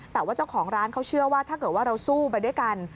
แต่ว่าเจ้าของร้านเขาเชื่อว่าถ้าเกิดว่าเราสู้ไปด้วยกัน